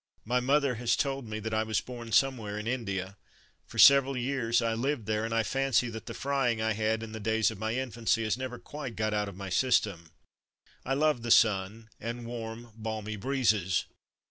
My mother has told me that I was born somewhere in India. For several years I lived there, and I fancy that the frying I had in the days of my infancy has never quite got out of my system. I love the sun and warm, balmy breezes.